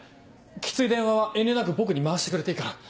きつい電話は遠慮なく僕に回してくれていいから。